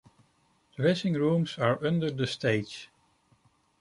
Dressing rooms are under the stage.